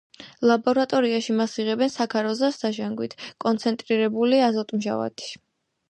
ლაბორატორიაში მას იღებენ საქაროზას დაჟანგვით კონცენტრირებული აზოტმჟავათი.